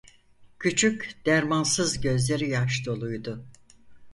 Küçük, dermansız gözleri yaş doluydu.